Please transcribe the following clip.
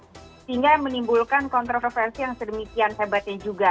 sehingga menimbulkan kontroversi yang sedemikian hebatnya juga